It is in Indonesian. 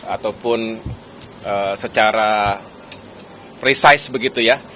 ataupun secara precise begitu ya